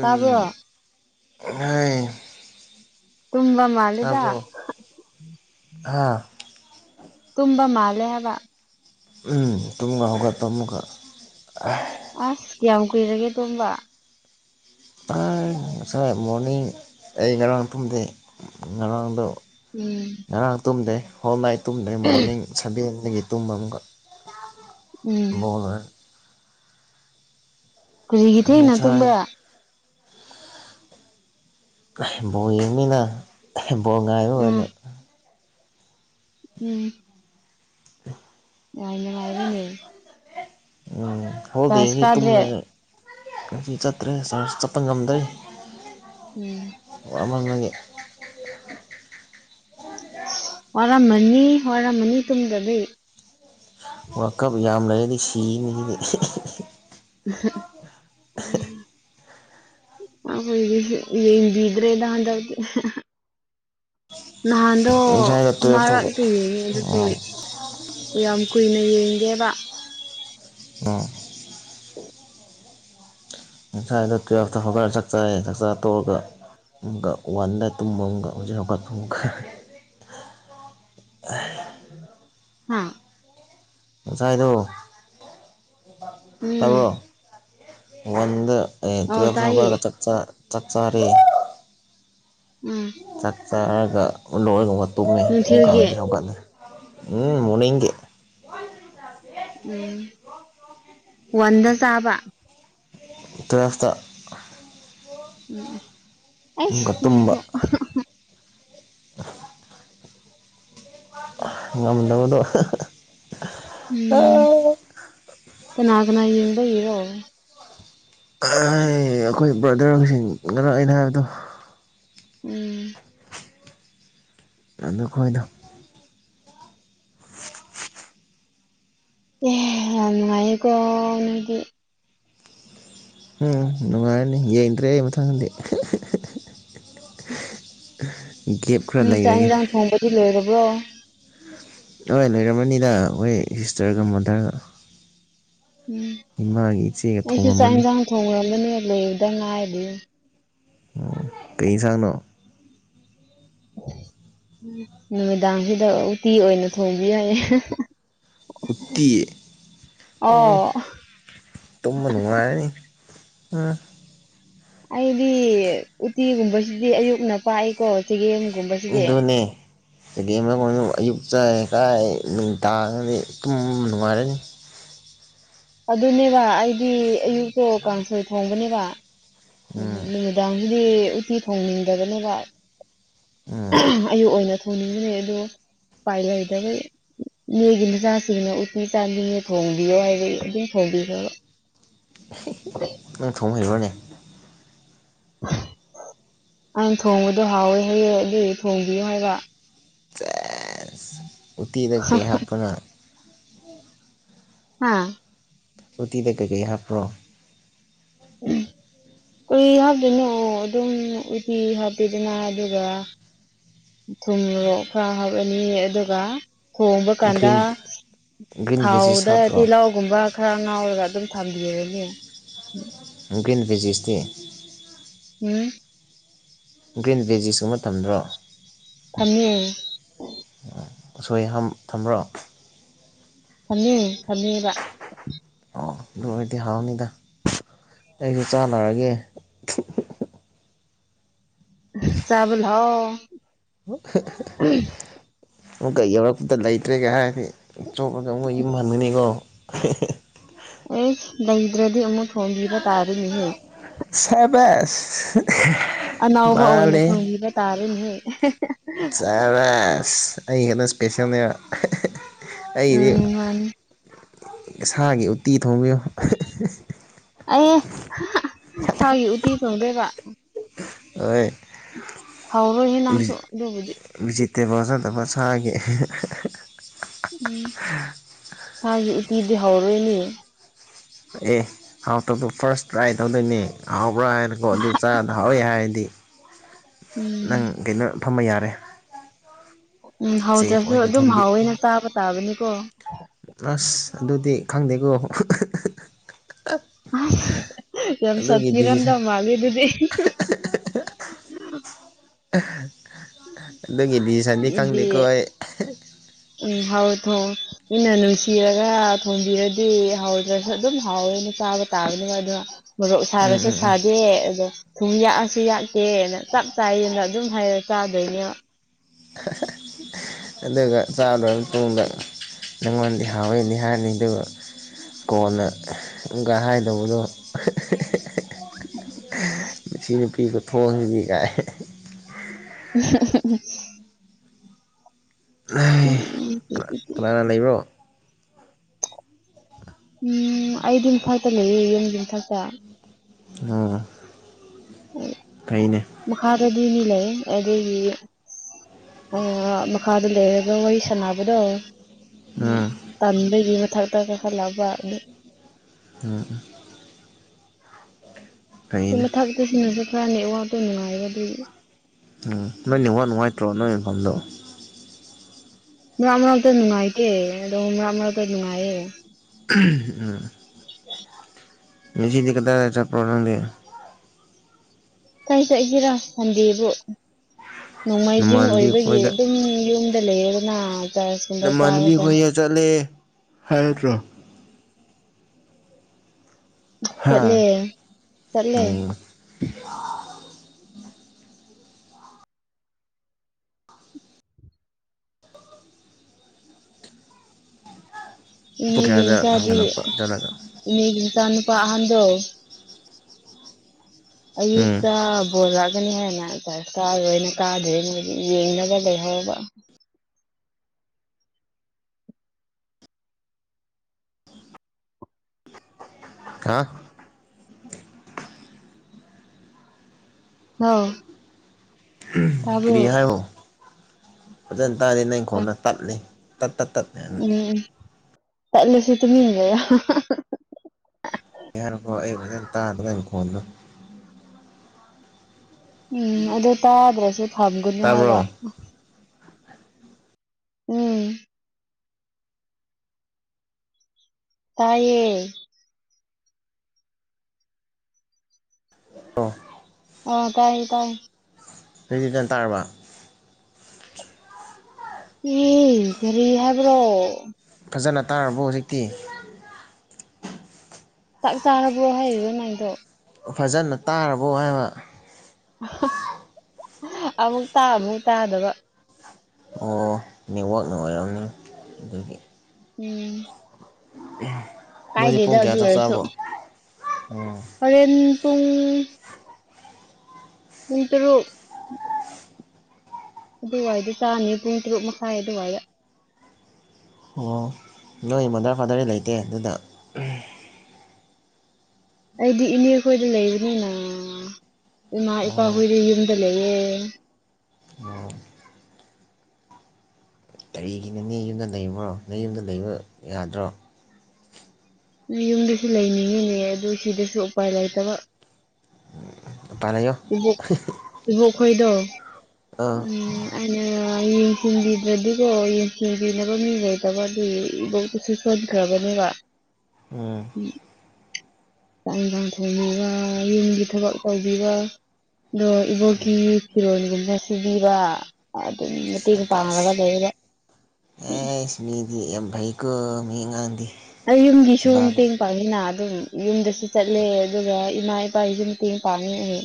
ꯇꯥꯕ꯭ꯔꯣ ꯍꯥꯏ ꯇꯨꯝꯕ ꯃꯥꯜꯂꯦꯗ ꯇꯥꯕ꯭ꯔꯣ ꯍꯥꯥ ꯇꯨꯝꯕ ꯃꯥꯂꯦ ꯍꯥꯏꯕ ꯎꯝ ꯇꯨꯨꯝꯕ ꯍꯧꯒꯠꯄ ꯑꯃꯨꯛꯀꯥ ꯑꯁ ꯀꯌꯥꯝ ꯀꯨꯏꯔꯒꯦ ꯇꯨꯝꯕ ꯄꯥꯏ ꯉꯁꯥꯏ ꯃꯣꯔꯅꯤꯡ ꯑꯩ ꯉꯔꯥꯡ ꯇꯨꯝꯗꯦ ꯉꯔꯥꯡꯗꯣ ꯎꯝ ꯉꯔꯥꯡ ꯇꯨꯝꯗꯦ ꯍꯣꯜ ꯅꯥꯏꯠ ꯇꯨꯝꯗ꯭ꯔꯦ ꯃꯣꯔꯅꯤꯡ ꯁꯚꯦꯟꯗꯒꯤ ꯇꯨꯝꯕ ꯑꯃꯒ ꯎꯝ [unintelligible] ꯀꯔꯤꯒꯤ ꯊꯦꯡꯅ ꯉꯁꯥꯏ ꯇꯨꯝꯕ꯭ꯔꯥ ꯕꯣꯜ ꯌꯦꯡꯅꯤꯅ ꯕꯣꯜ ꯉꯥꯏꯕ ꯎꯝ ꯑꯣꯏꯅ ꯎꯝ ꯌꯥꯥꯝ ꯅꯨꯉꯥꯏꯔꯦꯅꯦ ꯎꯝ ꯍꯣꯜ ꯗꯦ ꯀꯥꯗ꯭ꯔꯦ ꯇꯨꯝꯃꯦ ꯑꯩ ꯉꯁꯤ ꯆꯠꯇ꯭ꯔꯦ ꯆꯥꯔ꯭ꯁ ꯆꯠꯄ ꯉꯝꯗ꯭ꯔꯦ ꯎꯝ ꯋꯥꯃꯟꯕꯒꯤ ꯋꯥꯔꯝꯃꯅꯤ ꯋꯥꯔꯝꯃꯅꯤ ꯇꯨꯝꯗꯕꯩ ꯋꯥꯜ ꯀꯞ ꯌꯥꯝ ꯂꯩꯔꯗꯤ ꯁꯤꯅꯤ ꯁꯤꯗꯤ ꯎꯝ [unintelligible] ꯑꯈꯣꯏꯗꯤ ꯌꯦꯡꯕꯤꯗꯔ꯭ꯦꯗꯥ ꯍꯟꯗꯛꯇꯤ ꯅꯍꯥꯟꯗꯣ ꯉꯁꯥꯏꯗꯣ ꯇꯨꯌꯦꯜꯞ ꯊꯣꯛꯄ ꯑꯃꯔꯥꯛꯇ ꯌꯦꯡꯉꯦ ꯑꯗꯨꯁꯨ ꯑꯣ ꯌꯥꯝ ꯀꯨꯏꯅ ꯌꯦꯡꯗꯦꯕ ꯑꯣ [unintelligible] ꯉꯁꯥꯏꯗꯣ ꯇꯨꯌꯦꯜꯞꯇ ꯍꯧꯒꯠꯂꯒ ꯆꯥꯛꯆꯥꯥꯏ ꯆꯥꯛ ꯆꯥ ꯇꯣꯛꯔꯒꯥ ꯋꯥꯟꯗ ꯇꯨꯝꯕ ꯑꯃꯒ ꯍꯧꯖꯤꯛ [unintelligible] ꯑ ꯍꯥ ꯉꯁꯥꯏꯗꯣ ꯎꯝ ꯇꯥꯕ꯭ꯔꯣ ꯋꯥꯟ ꯗꯥ ꯑꯦ ꯑꯧ ꯇꯨꯌꯦꯜꯞ ꯇꯥ ꯇꯥꯏꯌꯦ ꯍꯧꯒꯠꯂꯒ ꯆꯥꯛ ꯆꯥ ꯆꯥꯛ ꯆꯥꯔꯦ ꯎꯝ ꯆꯥꯛ ꯆꯥꯔꯥꯒ ꯂꯣꯏꯔꯒ ꯇꯨꯝꯃꯦ ꯑꯃꯨꯛꯀꯥ ꯅꯨꯡꯊꯤꯜꯒꯤ ꯍꯧꯗꯤ ꯍꯧꯒꯠꯂꯦ ꯎꯝ ꯃꯣꯔꯅꯤꯡꯒꯤ ꯎꯝ ꯋꯥꯟꯗ ꯆꯥꯕ ꯇꯨꯌꯦꯐꯇꯥ ꯎꯝ ꯎꯝ ꯑꯃꯨꯛꯀ ꯇꯨꯝꯕ ꯑꯁ [unintelligible] [unintelligible] ꯉꯝꯗꯕꯗꯣ ꯎꯝ ꯑꯩ ꯀꯅꯥ ꯀꯅꯥ ꯌꯦꯡꯕꯒꯤꯔꯣ ꯑꯥꯢ ꯑꯩꯈꯣꯏ ꯕ꯭ꯔꯗꯔꯁꯤꯡ ꯉꯥꯔꯥꯡ ꯑꯩꯅ ꯍꯥꯏꯕꯗꯣ ꯎꯝ ꯑꯗꯨꯈꯣꯏꯗꯣ ꯑꯦ ꯌꯥꯝ ꯅꯨꯡꯉꯥꯏꯌꯦꯀꯣ ꯅꯪꯗꯤ꯫ ꯎꯝ ꯅꯨꯡꯉꯥꯏꯔꯅꯤ ꯌꯦꯡꯗ꯭ꯔꯦ ꯑꯩ ꯃꯊꯪꯗꯗꯤ꯫ ꯒꯤꯞ ꯃꯤ ꯆꯥꯛ ꯏꯟꯁꯥꯡ ꯊꯣꯡꯕꯗꯤ ꯂꯣꯏꯔꯕ꯭ꯔꯣ꯫ ꯍꯣꯏ ꯂꯣꯏꯔꯝꯃꯅꯤꯗ ꯍꯣꯏ ꯁꯤꯁꯇꯔꯒ ꯃꯥꯗꯔꯒ ꯎꯝ ꯏꯃꯥꯒꯤ ꯏꯆꯦꯒ ꯑꯩꯁꯨ ꯆꯥꯛ ꯊꯣꯡꯉꯝꯃꯅꯤ ꯌꯦꯟꯁꯥꯡ ꯊꯣꯡꯔꯝꯅꯦ ꯂꯣꯏꯗ ꯉꯥꯏꯔꯗꯤ꯫ ꯑꯣ ꯀꯩ ꯌꯦꯟꯁꯥꯡꯅꯣ꯫ ꯅꯨꯃꯤꯗꯥꯡꯁꯤꯗ ꯎꯇꯤ ꯑꯣꯏꯅ ꯊꯣꯡꯕ ꯌꯥꯏꯌꯦ꯫ ꯎꯇꯤ ꯑꯣ ꯇꯨꯝꯕ ꯅꯨꯡꯉꯥꯏꯔꯅꯤ ꯎꯝ ꯑꯩꯗꯤ ꯎꯇꯤꯒꯨꯝꯕꯁꯤꯗꯤ ꯑꯌꯨꯛꯅ ꯄꯥꯛꯏꯀꯣ ꯆꯒꯦꯝ ꯑꯗꯨꯅꯦ ꯆꯒꯦꯝ ꯑꯃ ꯑꯌꯨꯛ ꯆꯥꯏ ꯀꯥꯏ ꯅꯨꯡꯇꯥꯗꯤ ꯇꯨꯝ ꯅꯨꯡꯉꯥꯏꯔꯅꯤ꯫ ꯑꯗꯨꯅꯦꯕ ꯑꯩꯗꯤ ꯑꯌꯨꯛꯇꯣ ꯀꯥꯡꯁꯣꯏ ꯊꯣꯡꯕꯅꯦꯕ꯫ ꯎꯝ ꯅꯨꯃꯤꯗꯥꯡꯒꯤꯗꯤ ꯎꯠꯇꯤ ꯊꯣꯡꯅꯤꯡꯗꯕꯅꯦꯕ꯫ ꯎꯝ ꯑꯌꯨꯛ ꯑꯣꯏꯅ ꯊꯣꯡꯅꯤꯡꯈ꯭ꯔꯦ ꯑꯗꯣ ꯎꯄꯥꯏ ꯂꯩꯇꯕꯩ꯫ ꯅꯣꯏꯒꯤ ꯃꯆꯥꯁꯤꯡꯅ ꯎꯇꯤ ꯆꯥꯒꯦꯌꯦ ꯊꯣꯡꯕꯤꯌꯣ ꯍꯥꯏꯕꯗꯤ ꯑꯗꯨꯝ ꯊꯣꯡꯕꯤꯈ꯭ꯔꯥꯕ꯫ ꯅꯪ ꯊꯣꯡ ꯍꯩꯕ꯭ꯔꯣꯅꯦ꯫ ꯑꯩꯅ ꯊꯣꯡꯕꯗꯣ ꯍꯥꯎꯋꯦ ꯍꯥꯏꯌꯦ ꯑꯗꯨꯒꯤ ꯊꯣꯡꯕꯤꯌꯨ ꯍꯥꯏꯕ꯫ ꯆꯦꯁ ꯎꯇꯤꯗ ꯍꯥ ꯀꯩ ꯍꯥꯞꯄꯅꯣ꯫ ꯍꯥ ꯎꯇꯤꯗ ꯀꯩꯀꯩ ꯍꯥꯞꯄ꯭ꯔꯣ꯫ ꯎꯝ ꯀꯔꯤ ꯍꯥꯞꯇꯣꯏꯅꯣ ꯑꯗꯨꯝ ꯎꯇꯤ ꯍꯥꯞꯄꯦꯗꯅ ꯑꯗꯨꯒ ꯊꯨꯝ ꯃꯣꯂꯣꯛ ꯈꯔ ꯍꯥꯞꯂꯅꯤ ꯑꯗꯨꯒ ꯊꯣꯡꯕ ꯀꯥꯟꯗ ꯒ꯭ꯔꯤꯟ ꯒ꯭ꯔꯤꯟ ꯚꯦꯖꯤꯁ ꯊꯥꯎꯗ ꯍꯥꯞꯄ꯭ꯔꯣ ꯇꯤꯂꯥꯎ ꯒꯨꯝꯕ ꯈꯔ ꯉꯥꯎꯔꯒ ꯑꯗꯨꯝ ꯊꯝꯕꯤꯔꯅꯤ꯫ ꯒ꯭ꯔꯤꯟ ꯚꯦꯖꯤꯁꯇꯤ ꯎꯝ ꯒ꯭ꯔꯤꯟ ꯕꯤꯖꯤꯁꯨꯕ ꯃꯇꯝꯝꯗ꯭ꯔꯣ꯫ ꯊꯝꯃꯦ꯫ ꯁꯣꯏꯍꯝ ꯊꯝꯕ꯭ꯔꯣ꯫ ꯊꯝꯃꯦ ꯊꯝꯃꯦꯕ꯫ ꯑꯣ ꯑꯗꯨ ꯑꯣꯔꯗꯤ ꯍꯥꯎꯅꯤꯗ ꯑꯩꯁꯨ ꯆꯥꯟꯅꯔꯒꯦ꯫ ꯆꯥꯕ ꯂꯎꯑꯣ ꯑꯃꯨꯛ ꯌꯧꯔꯛꯄꯗ ꯂꯩꯇ꯭ꯔꯦꯒ ꯍꯥꯏꯗꯤ꯫ ꯆꯣꯞꯄꯒ ꯑꯃꯨꯛ ꯌꯨꯝ ꯍꯟꯒꯅꯤꯀꯣ꯫ ꯑꯦ ꯅꯪꯗ꯭ꯔꯗꯤ ꯑꯃꯨꯛ ꯊꯣꯡꯕꯤꯕ ꯇꯥꯔꯦꯅꯦꯍꯦ꯫ ꯁꯦꯕꯁ ꯑꯅꯥꯎꯕ ꯑꯣꯏꯅ ꯊꯣꯡꯕꯤꯕ ꯇꯥꯔꯅꯦꯍꯦ꯫ ꯆꯥꯔꯁ ꯑꯩ ꯍꯦꯟꯅ ꯏꯁꯄꯦꯁꯦꯜꯅꯦꯕ꯫ ꯎꯝ ꯃꯥꯅꯤ꯫ ꯏꯁꯥꯒꯤ ꯎꯠꯇꯤ ꯊꯣꯡꯕꯤꯌꯨ꯫ ꯑꯩ ꯁꯥꯒꯤ ꯎꯇꯤ ꯆꯣꯡꯗꯣꯏꯕ꯫ ꯑꯣꯠ ꯍꯥꯎꯔꯣꯏꯍ‌ꯦ ꯅꯪꯁꯨ ꯑꯗꯨꯕꯨꯗꯤ ꯃꯤꯖꯤꯇ‌ꯦꯕꯜ ꯆꯥꯗꯕ ꯁꯥꯒꯤ ꯎꯝ ꯁꯥꯒꯤ ꯎꯇꯤꯗꯤ ꯍꯥꯎꯔꯣꯏꯅꯦ ꯑꯦ ꯍꯥꯎꯇꯕꯗ‌ꯣ ꯐꯥꯔꯁ ꯇ꯭ꯔꯥꯏ ꯇꯧꯗꯣꯏꯅꯦ ꯍꯥꯎꯕ꯭ꯔꯥ ꯍꯥꯏꯅꯀꯣ ꯑꯗꯨ ꯆꯥꯅ ꯍꯥꯎꯋꯦ ꯍꯥꯏꯔꯗꯤ ꯎꯝ ꯅꯪ ꯀꯩꯅꯣ ꯐꯝꯃ ꯌꯥꯔꯦ ꯎꯝ ꯆꯦꯐ ꯍꯧꯗ꯭ꯔꯁꯨ ꯑꯣꯏꯅ ꯑꯗꯨꯝ ꯊꯣꯟꯕꯤ ꯍꯥꯎꯋꯦꯅ ꯆꯥꯕ ꯇꯥꯕꯅꯤꯀꯣ ꯑꯁ ꯑꯗꯨꯗꯤ ꯈꯪꯗꯦꯀꯣ ꯑꯁ ꯌꯥꯝ ꯑꯗꯨꯒꯤ ꯗꯤꯁꯤꯁꯟ ꯁꯥꯊꯤꯔꯝꯗꯧ ꯃꯥꯜꯂꯤ ꯑꯗꯨꯗꯤ ꯑꯗꯨꯒꯤꯗꯤ ꯏꯗꯤ ꯎꯝ ꯍꯥꯎꯅ ꯊ‌ꯣꯡꯉꯨ ꯏꯅ ꯅꯨꯡꯁꯤꯔꯒ ꯊꯣꯡꯕꯤꯔꯗꯤ ꯍꯥꯎꯗ꯭ꯔꯁꯨ ꯑꯗꯨꯝ ꯍꯥꯎꯋꯦꯅ ꯆꯥꯕ ꯇꯥꯕꯅꯦꯕ ꯑꯗ‌ꯣ ꯃꯣꯔꯣꯛ ꯎꯝ ꯁꯥꯔꯁꯨ ꯎꯝ ꯎꯝ ꯁꯥꯗꯦ ꯑꯗꯣ ꯊꯨꯝ ꯌꯥꯛꯑꯁꯨ ꯌꯥꯛꯇ‌ꯣꯅ ꯆꯞ ꯆꯥꯏꯌꯦꯅ ꯑꯗꯨꯝ ꯍꯥꯏꯔ ꯆꯥꯗꯣꯏꯅꯦꯕ [unintelligible] ꯑꯗꯨꯒ ꯆꯥ ꯂ‌ꯣꯏꯔ ꯃꯇꯨꯡꯗ ꯅꯪꯉꯣꯟꯗꯤ ꯍꯥꯎꯋ‌ꯦꯗꯤ ꯍꯥꯏꯍꯟꯅꯤꯡꯗꯕ ꯀꯣꯟꯅ ꯎꯝꯒ ꯍꯥꯏꯒꯗꯧꯕꯗꯣ ꯃꯁꯤ ꯅꯨꯄꯤ ꯈꯨꯊꯣꯡꯖꯤꯗꯤ ꯀꯥꯏ [unintelligible] ꯀꯅꯥꯅ [unintelligible] ꯂꯩꯕ꯭ꯔꯣ ꯎꯝ ꯑꯩꯗꯤ ꯃꯊꯛꯇ ꯂꯩꯌꯦ ꯌꯨꯝꯒꯤ ꯃꯊꯛꯇ ꯍꯥ ꯀꯩꯅꯦ ꯃꯈꯥꯗꯗꯤ ꯃꯤ ꯂꯩꯌ‌ꯦ ꯑꯗꯨꯒꯤꯌ‌ꯦ ꯑ ꯃꯈꯥꯗ ꯂꯩꯔꯒ ꯋꯥꯔꯤ ꯁꯥꯟꯅꯕꯗꯣ ꯎꯝ ꯇꯟꯕꯒꯤ ꯃꯊꯛꯇ ꯀꯥꯈꯠꯂꯛꯄ ꯑꯗꯨ ꯎꯝ ꯎꯝ ꯁꯤ ꯐꯩꯅꯦ ꯃꯊꯛꯇ ꯁꯤꯟꯅꯁꯨ ꯈꯔ ꯅꯦꯠꯋꯥꯛꯇꯣ ꯅꯨꯡꯉꯥꯏꯕ ꯑꯗꯨꯒꯤ ꯎꯝ ꯅꯣꯏ ꯅ‌ꯦꯋꯥꯛ ꯅꯨꯡꯉꯥꯏꯇ꯭ꯔꯣ ꯅꯣꯏ ꯃꯐꯝꯗꯣ ꯃꯔꯛ ꯃꯔꯛꯇ ꯅꯨꯡꯉꯥꯏꯇꯦ ꯑꯗꯣ ꯃꯔꯛ ꯃꯔꯛꯇ ꯅꯨꯡꯉꯥꯏꯌꯦ ꯎꯝ ꯉꯁꯤꯗꯤ ꯀꯗꯥꯏ ꯆꯠꯄ꯭ꯔ‌ꯣ ꯅꯪꯗꯤ ꯀꯥꯏ ꯆꯠꯒꯦꯔꯥ ꯁꯟꯗꯦꯕꯨ ꯅꯣꯡꯃꯥꯏꯖꯤꯡ ꯅꯃꯥꯟꯅꯕꯤ ꯑꯣꯏꯕꯒꯤ ꯈꯣꯏꯗ ꯑꯗꯨꯝ ꯌꯨꯝꯗ ꯂꯩꯔ‌ꯦꯗꯅ ꯅꯃꯥꯟꯅꯕꯤ ꯈ‌ꯣꯏꯌ ꯆꯠꯂꯦ ꯍꯥꯏꯔꯛꯇ꯭ꯔꯣ ꯍꯥ ꯆꯠꯂꯦ ꯆꯠꯂꯦ ꯑꯣ ꯄꯨꯡ ꯏꯅ‌ꯦꯒꯤ ꯀꯌꯥꯗ ꯃꯆꯥꯗꯤ ꯍꯧꯒꯠꯂꯛꯄ ꯆꯠꯂꯒ ꯏꯅ‌ꯦꯒꯤ ꯃꯆꯥ ꯅꯨꯨꯄꯥ ꯑꯍꯟꯗ‌ꯣ ꯎꯝ ꯑꯌꯨꯛꯇ ꯕꯣꯜ ꯂꯥꯛꯀꯅꯤ ꯍꯥꯏꯅ ꯆ꯭ꯔꯁ ꯀꯥꯔꯣꯏꯅ ꯀꯥꯗ꯭ꯔ‌ꯦ ꯃꯣꯏꯗꯤ ꯌꯦꯡꯅꯕ ꯂꯩꯍꯧꯕ ꯍꯥ ꯍꯧ ꯀꯔꯤ ꯍꯥꯏꯋ‌ꯣ ꯐꯖꯅ ꯇꯥꯗ‌ꯦ ꯅꯪ ꯎꯝ ꯈꯣꯟꯗ‌ꯣ ꯇꯠꯂꯤ ꯇꯠ ꯇꯠ ꯇꯠ ꯎꯝ ꯇꯠꯂꯁꯨ ꯇꯨꯃꯤꯟꯅ ꯂꯩꯌ‌ꯣ ꯑꯩ ꯍꯥꯏꯔ‌ꯣꯀꯣ ꯑꯩ ꯐꯖꯅ ꯇꯥ ꯅꯪ ꯈ‌ꯣꯟꯗꯣ ꯎꯝ ꯑꯗꯨ ꯇꯥꯗ꯭ꯔꯁꯨ ꯊꯝꯒꯅꯨ ꯍꯥꯏꯕ ꯇꯥꯕ꯭ꯔꯣ ꯎꯝ ꯇꯥꯏꯌꯦ ꯑꯣ ꯑꯣ ꯇꯥꯏꯌꯦ ꯇꯥꯏ ꯔꯦꯕꯤꯟꯁꯟ ꯇꯥꯔꯕ ꯑꯦ ꯀꯔꯤ ꯍꯥꯏꯕ꯭ꯔꯣ ꯐꯖꯅ ꯇꯥꯔꯕꯣ ꯍꯧꯖꯤꯛꯇꯤ ꯆꯥꯛ ꯆꯥꯔꯕ꯭ꯔꯣ ꯍꯥꯏꯔꯤꯔꯣ ꯅꯪꯒꯤꯗꯣ ꯐꯖꯅ ꯇꯥꯔꯕꯣ ꯍꯥꯏꯕ ꯑꯃꯨꯛ ꯇꯥ ꯑꯃꯨꯛ ꯇꯥꯗꯕ ꯑꯣ ꯅꯦꯠꯋꯥꯛꯅ ꯑꯣꯏꯔꯝꯅꯤ ꯑꯗꯨꯒꯤ ꯎꯝ ꯅꯣꯏꯗꯤ ꯀꯥꯏꯗꯦꯗ ꯄꯨꯡ ꯀꯌꯥ ꯑꯗꯨ ꯆꯛ ꯑꯣꯏꯔꯁꯨ ꯆꯥꯕꯣ ꯎꯝ ꯍꯣꯔꯦꯟ ꯄꯨꯡ ꯄꯨꯡ ꯇꯔꯨꯛ ꯑꯗꯨꯋꯥꯏꯗ ꯆꯥꯅꯤ ꯄꯨꯡ ꯇꯔꯨꯛ ꯃꯈꯥꯏ ꯑꯗꯨꯋꯥꯏꯗ ꯑꯣ ꯅꯣꯏ ꯃꯥꯗꯔ ꯐꯥꯗꯔꯗꯤ ꯂꯩꯇꯦ ꯑꯗꯨꯗ ꯑꯩꯗꯤ ꯏꯅꯦ ꯈꯣꯏꯗ ꯂꯩꯕꯅꯤꯅ ꯏꯃꯥ ꯏꯄꯥ ꯑꯣ ꯍꯨꯏꯗꯤ ꯌꯨꯝꯗ ꯂꯩꯌꯦ ꯑꯣ ꯀꯔꯤꯒꯤ ꯏꯅꯦꯒꯤ ꯌꯨꯝꯗ ꯂꯩꯕꯔ ꯍꯣ ꯅꯌꯨꯝꯗ ꯂꯩꯕ ꯌꯥꯗ꯭ꯔꯣ ꯌꯨꯝꯗꯁꯨ ꯂꯩꯅꯤꯡꯉꯤꯅꯦ ꯑꯗꯨ ꯁꯤꯗꯁꯨ ꯎꯄꯥꯏ ꯂꯩꯇꯕ ꯄꯂꯦꯌꯣ ꯏꯕꯣꯛ ꯀꯈꯣꯏꯗꯣ ꯎꯝ ꯑꯅ ꯌꯦꯡꯁꯤꯟꯕꯤꯗ꯭ꯔꯗꯤꯀꯣ ꯌꯦꯡꯁꯤꯟꯕꯤꯅꯕ ꯃꯤ ꯂꯩꯇꯕꯒꯤ ꯏꯕꯧꯇꯁꯨ ꯁꯣꯏꯠꯈ꯭ꯔꯕꯅꯦꯕ ꯎꯝ ꯆꯥꯛ ꯏꯟꯁꯥꯡ ꯊꯣꯡꯕꯤꯕ ꯌꯨꯝꯒꯤ ꯊꯕꯛ ꯇꯧꯕꯤꯕ ꯑꯗꯣ ꯏꯕꯣꯛꯀꯤ ꯐꯤꯔꯣꯜꯒꯨꯝꯅ ꯁꯤꯕꯤꯕ ꯑꯗꯨꯝ ꯃꯇꯦꯡ ꯑꯁ ꯄꯥꯡꯉꯒ ꯂꯩꯕ ꯎꯝ ꯑꯦꯁ ꯃꯤꯗꯤ ꯌꯥꯝ ꯐꯩꯀꯣ ꯃꯤ ꯑꯉꯥꯡꯗꯤ ꯑ ꯁꯦꯕꯥꯒ ꯌꯨꯝꯒꯤꯁꯨꯨꯇꯤꯡ ꯄꯅꯤꯅ ꯑꯗꯨꯝ ꯌꯨꯝꯗꯁꯨ ꯆꯠꯂꯦ ꯑꯗꯨꯒ ꯏꯃꯥ ꯏꯄꯥꯒꯤꯁꯨ ꯃꯇꯦꯡ ꯄꯥꯡꯉꯦ ꯑꯩ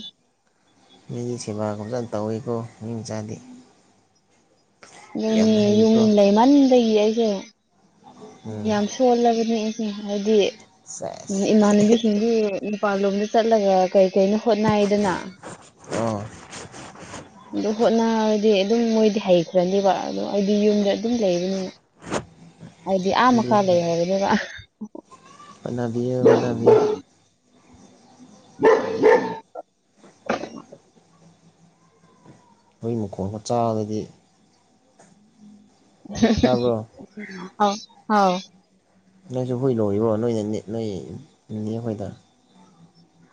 ꯃꯤꯒꯤ ꯁꯦꯕꯥ ꯐꯥꯅꯥ ꯇꯧꯋꯏꯀꯣ ꯃꯤ ꯃꯆꯥꯗꯤ ꯌꯥꯝꯅ ꯍꯩꯌꯦꯀꯣ ꯃꯟꯗꯒꯤ ꯑꯩꯁꯦ ꯎꯝ ꯌꯥꯝ ꯁꯣꯜꯂꯕꯅꯤ ꯑꯩꯁꯦ ꯍꯥꯏꯕꯗꯤ ꯁꯦꯁ ꯏꯃꯥꯟꯅꯕꯤꯁꯤꯡꯗꯨ ꯃꯄꯥꯥꯟ ꯂꯣꯝꯗ ꯆꯠꯂꯒ ꯀꯩ ꯀꯩꯅꯣ ꯍꯣꯠꯅꯩꯗꯅ ꯑꯣ ꯑꯗꯨ ꯍꯣꯠꯅꯔꯗꯤ ꯑꯗꯨꯝ ꯃꯣꯏꯗꯤ ꯍꯩꯈ꯭ꯔꯅꯦꯕ ꯑꯗꯣ ꯑꯩꯗꯤ ꯌꯨꯝꯗ ꯑꯗꯨꯝ ꯂꯩꯕꯅꯤꯅ ꯍꯥꯏꯗꯤ ꯑꯥ ꯃꯈꯥ ꯍꯣꯠꯅꯕꯤꯌꯨ ꯂꯩꯍꯧꯔꯥꯅꯦꯕ ꯕꯤꯌꯨ ꯍꯣꯠꯅꯕꯤꯌꯨ [unintelligible] ꯃꯃꯆꯥꯗꯗꯤ ꯍ ꯇꯥꯔꯕꯣ ꯑꯥꯎ ꯑꯥꯎ ꯅꯣꯏꯁꯨ ꯍꯨꯏ ꯂꯣꯏꯌꯣ ꯅꯣꯏ ꯅꯣꯏ ꯅꯦꯅꯦ ꯍꯣꯏꯗ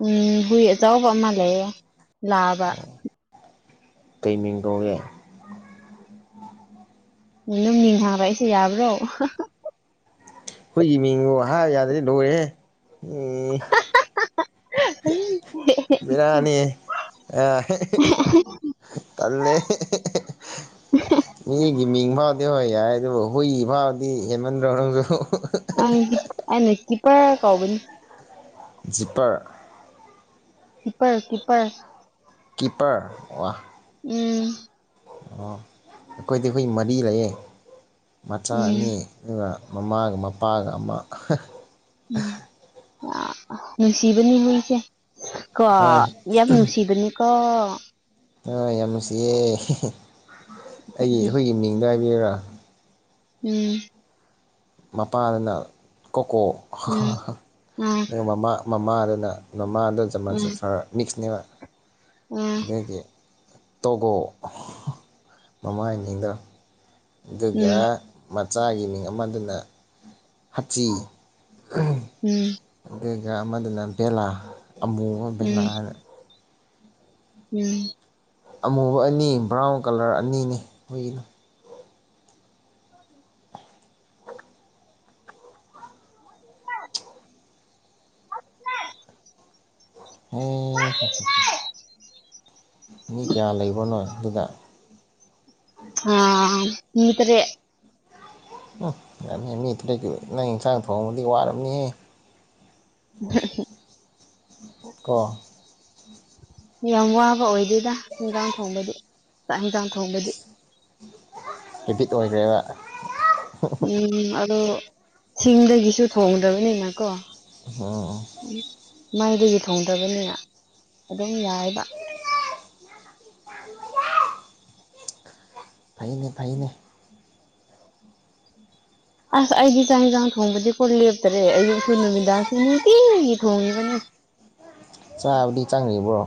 ꯎꯝ ꯍꯨꯏ ꯑꯆꯧꯕ ꯑꯃ ꯂꯩꯌꯦ ꯂꯥꯕ ꯀꯩ ꯃꯤꯡ ꯀꯧꯒꯦ ꯑꯗꯨꯝ ꯃꯤꯡ ꯍꯥꯏꯕ ꯑꯩꯁꯦ ꯌꯥꯕ꯭ꯔꯣ ꯍꯨꯏ ꯃꯤꯡꯕꯨ ꯍꯥꯏ ꯌꯥꯗ꯭ꯔꯗꯤ ꯂꯣꯏꯔꯦꯍꯦ ꯎꯝ [inaudible] ꯕꯦꯔꯥꯅꯤꯍꯦ [unintelligible] ꯇꯥꯜꯂꯦ [unintelligible] ꯃꯤꯒꯤ ꯃꯤꯡ ꯐꯥꯎꯗꯤ ꯍꯣꯏ ꯌꯥꯏ ꯑꯗꯨꯕꯨ ꯍꯨꯏ ꯐꯥꯎꯗꯤ ꯍꯦꯟꯃꯟꯗ꯭ꯔꫭ ꯅꯪꯁꯨ ꯑꯩꯗꯤ ꯑꯩꯅ ꯀꯤꯄꯔ ꯀꯧꯕꯅꯤ ꯖꯤꯄꯔ ꯀꯤꯞꯄꯔ ꯀꯤꯞꯄꯔ ꯀꯤꯄꯔ ꯋꯥ ꯎꯝ ꯑꯣ ꯑꯩꯈꯣꯏꯗꯤ ꯍꯨꯏ ꯃꯔꯤ ꯂꯩꯌꯦ ꯃꯆꯥ ꯎꯝ ꯑꯅꯤ ꯑꯗꯨꯒ ꯃꯃꯥꯒ ꯃꯄꯥꯒ ꯑꯃ ꯎꯝ ꯌꯥꯝ ꯅꯨꯡꯁꯤꯕꯅꯤ ꯍꯨꯏꯁꯦ ꯀꯣ ꯍꯣꯏ ꯌꯥꯝ ꯅꯨꯡꯁꯤꯕꯅꯤꯀꯣ ꯑꯥ ꯌꯥꯝ ꯅꯨꯡꯁꯤꯌꯦ [unintelligible] ꯑꯩꯒꯤ ꯎꯝ ꯑꯩ꯫ꯍꯨꯏꯒꯤ ꯃꯤꯡ ꯍꯥꯏꯕꯤꯌꯨꯔꯥ ꯎꯝ ꯃꯄꯥꯗꯅ ꯀꯣꯀꯣ ꯎꯝ ꯎꯝ ꯑꯗꯨꯒ ꯃꯃꯥ ꯃꯃꯥꯗꯨꯅ ꯃꯃꯥꯗꯨꯅ ꯎꯝ ꯖꯔꯃꯟꯁꯦ ꯐꯔ ꯃꯤꯛꯁꯅꯦꯕ ꯎꯝ ꯑꯗꯨꯗꯤ ꯇꯧꯒꯣ ꯃꯃꯥꯏꯅꯤꯅ ꯑꯗꯨꯒ ꯃꯆꯥꯒꯤꯅꯦ ꯑꯃꯗꯨꯅ ꯍꯥꯆꯤ ꯎꯝ ꯑꯗꯨꯒ ꯑꯃꯗꯨꯅ ꯕꯦꯂꯥ ꯑꯃꯨꯕ ꯕꯦꯂꯥ ꯎꯝ ꯍꯥꯏꯅ ꯎꯝ ꯑꯃꯨꯕ ꯑꯅꯤ ꯕ꯭ꯔꯥꯎꯟ ꯀꯂꯔ ꯑꯅꯤꯅꯦ ꯍꯨꯏꯗꯣ ꯝ [unintelligible] [unintelligible] ꯑꯦ ꯃꯤ ꯀꯌꯥ ꯂꯩꯕꯅꯣ ꯑꯗꯨꯗꯥ ꯍꯥ ꯃꯤ ꯇꯔꯦꯠ ꯎꯝ ꯌꯥꯝꯃꯦꯍꯦ ꯃꯤ ꯇꯔꯦꯠꯀꯤ ꯅꯪ ꯏꯟꯁꯥꯡ ꯊꯣꯡꯉꯗꯤ ꯋꯥꯔꯝꯅꯤꯍꯦ [unintelligible] ꯀꯣ ꯌꯥꯝ ꯋꯥꯕ ꯑꯣꯏꯗꯣꯏꯗ ꯍꯟꯖꯥꯡ ꯊꯣꯡꯕꯗꯤ ꯆꯥꯛ ꯌꯦꯟꯖꯥꯡ ꯊꯣꯡꯕꯗꯤ ꯍꯦꯕꯤꯠ ꯑꯣꯏꯈ꯭ꯔꯦꯕ ꯎꯝ ꯑꯗꯣ ꯁꯤꯡꯗꯒꯤꯁꯨ ꯊꯣꯡꯗ꯭ꯔꯕꯅꯤꯅ ꯀꯣ ꯑꯣ ꯃꯩꯗꯒꯤ ꯊꯣꯡꯗꯕꯅꯤꯅ ꯑꯗꯨꯝ ꯌꯥꯏꯕ ꯐꯩꯅꯦ ꯐꯩꯅꯦ ꯑꯁ ꯑꯩꯗꯤ ꯆꯥꯛ ꯌꯦꯟꯁꯥꯡ ꯊꯣꯡꯕꯗꯤ ꯀꫭ ꯂꯦꯞꯇꯔꯦ ꯑꯌꯨꯛꯁꯨ ꯅꯨꯃꯤꯗꯥꯡꯁꯤ ꯅꯨꯡꯇꯤꯒꯤ ꯊꯣꯡꯉꯤꯕꯅꯦ ꯆꯥꯕꯗꯤ ꯆꯪꯔꯤꯕ꯭ꯔꯣ